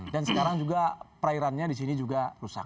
dan sekarang juga perairannya di sini juga rusak